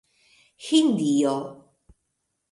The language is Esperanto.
Hindio